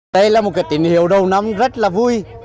đây là một tỉnh hiệu đầu năm rất là vui